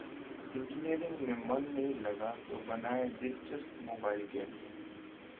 engineering में मन नहीं लगा तो बनाए दिलचस्प मोबाइल गेम्स...